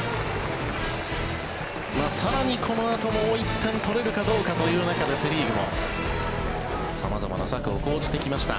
更にこのあともう１点取れるかどうかという中でセ・リーグも様々な策を講じてきました。